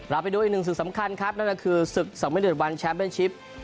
เราไปดูอีกหนึ่งศึกสำคัญครับนั่นคือศึก๒๑วันแชมป์เบิ้ลชิป